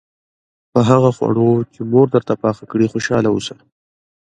په هغه خواړو چې مور درته پاخه کړي خوشاله اوسه.